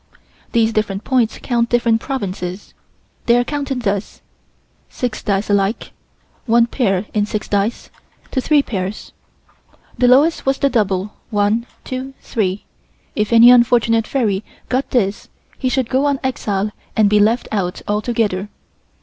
These different points count different provinces. They are counted thus: Six dice alike. One pair in six dice, to three pairs. The lowest was the double 1, 2, 3. If any unfortunate fairy got this he should go on exile and be left out altogether.